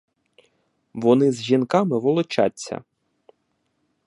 Вони з жінками волочаться!